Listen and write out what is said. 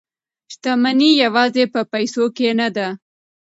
شتمني یوازې په پیسو کې نه ده.